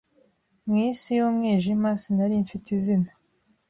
mwi si y'umwijima sinari mfite izina